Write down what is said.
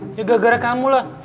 ya gara gara kamu lah